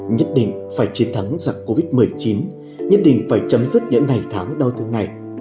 nhất định phải chiến thắng giặc covid một mươi chín nhất định phải chấm dứt những ngày tháng đau thương này